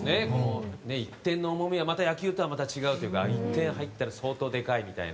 １点の重みが野球とはまた違うというか１点入ったら相当でかいみたいな。